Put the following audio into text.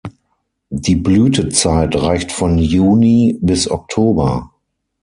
Die Blütezeit reicht von Juni bis Oktober.